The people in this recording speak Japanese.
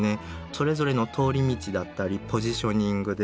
それぞれの通り道だったりポジショニングですよね